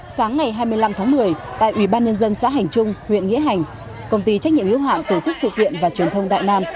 sáng ngày hai mươi năm tháng một mươi tại ủy ban nhân dân xã hành trung huyện nghĩa hành công ty trách nhiệm hiếu hạn tổ chức sự kiện và truyền thông đại nam